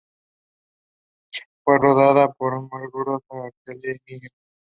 The park is popular walking and recreation area.